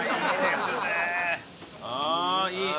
ああいい。